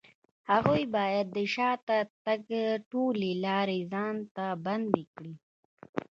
هغوی بايد د شاته تګ ټولې لارې ځان ته بندې کړي.